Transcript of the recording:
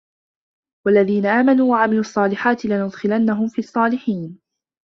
وَالَّذينَ آمَنوا وَعَمِلُوا الصّالِحاتِ لَنُدخِلَنَّهُم فِي الصّالِحينَ